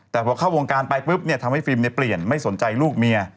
แต่พอเข้าวงการไปปุ๊บเนี่ยทำให้ฟิล์มเปลี่ยนไม่สนใจลูกเมีย